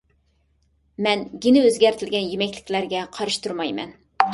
مەن گېنى ئۆزگەرتىلگەن يېمەكلىكلەرگە قارشى تۇرمايمەن.